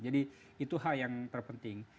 jadi itu hal yang terpenting